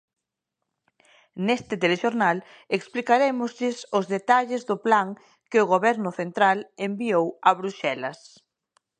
Neste Telexornal explicarémoslles os detalles do plan que o Goberno central enviou a Bruxelas.